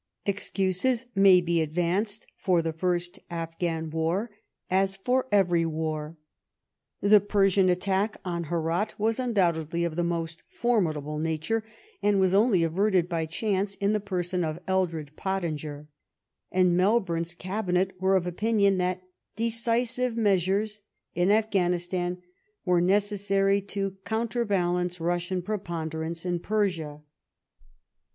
Excuses may be advanced for the first Afginan war, as for every war. The Persian attack on Herat was undoubtedly of the most formidable nature, and was only averted by chance in the person of Eldred Pot tinger, and Melbourne's cabinet were of opinion that *' decisive measures *' in Afghanistan were necessary to counterbalance Russian preponderance in Persia.